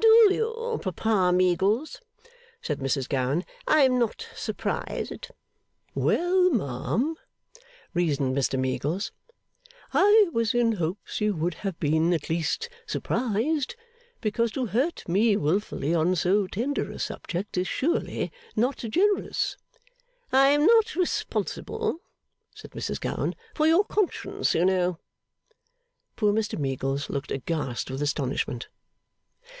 'Do you, Papa Meagles?' said Mrs Gowan. 'I am not surprised.' 'Well, ma'am,' reasoned Mr Meagles, 'I was in hopes you would have been at least surprised, because to hurt me wilfully on so tender a subject is surely not generous.' 'I am not responsible,' said Mrs Gowan, 'for your conscience, you know.' Poor Mr Meagles looked aghast with astonishment.